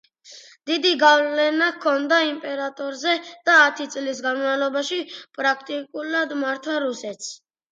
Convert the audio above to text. დიდი გავლენა ჰქონდა იმპერატორზე და ათი წლის განმავლობაში პრაქტიკულად მართავდა რუსეთს.